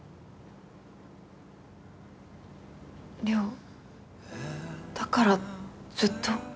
稜だからずっと？